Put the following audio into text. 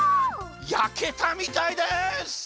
やけたみたいです！